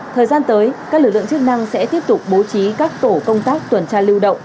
thời gian tới các lực lượng chức năng sẽ tiếp tục bố trí các tổ công tác tuần tra lưu động